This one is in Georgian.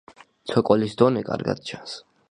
ცოკოლის დონე კარგად ჩანს.